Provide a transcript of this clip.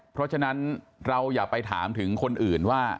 เพราะฉะนั้นเราอย่าไปถามถึงคนอื่นว่า